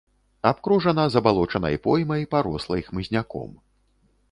Абкружана забалочанай поймай, парослай хмызняком.